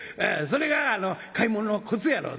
それが買い物のコツやろ？」。